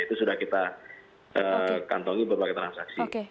itu sudah kita kantongi berbagai transaksi